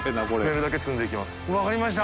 ▲蕁分かりました。